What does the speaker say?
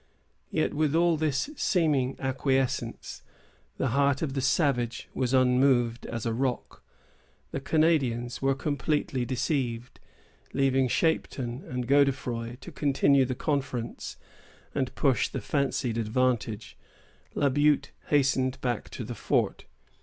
Yet with all this seeming acquiescence, the heart of the savage was unmoved as a rock. The Canadians were completely deceived. Leaving Chapeton and Godefroy to continue the conference and push the fancied advantage, La Butte hastened back to the fort.